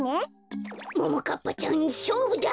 ももかっぱちゃんしょうぶだ！